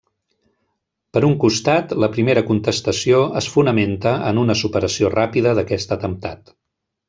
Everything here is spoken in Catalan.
Per un costat, la primera contestació es fonamenta en una superació ràpida d’aquest atemptat.